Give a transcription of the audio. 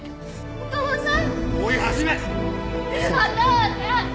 お父さん！